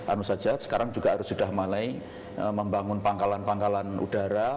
anu saja sekarang juga harus sudah mulai membangun pangkalan pangkalan udara